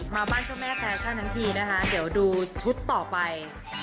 มาบ้านเจ้าแม่แฟชั่นทั้งทีนะคะเดี๋ยวดูชุดต่อไป